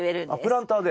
プランターで。